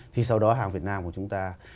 thì sau đó hàng việt nam của chúng ta